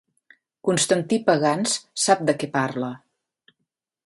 Constantí Pagans sap de què parla.